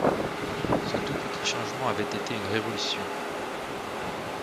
Ce tout petit changement avait été une révolution.